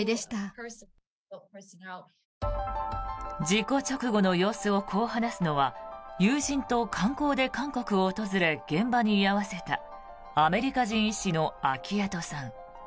事故直後の様子をこう話すのは友人と観光で韓国を訪れ現場に居合わせたアメリカ人医師のアキヤトさん。